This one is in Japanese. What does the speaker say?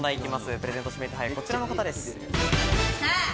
プレゼント指名手配、こちらの方です。